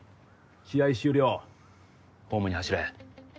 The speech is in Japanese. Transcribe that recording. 試合終了ホームに走れ